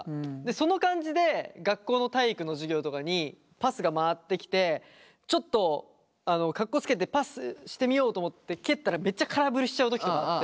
その感じで学校の体育の授業とかにパスが回ってきてちょっとかっこつけてパスしてみようと思って蹴ったらめっちゃ空振りしちゃう時とかあって。